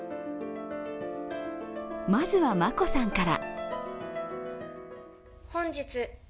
まずは、眞子さんから。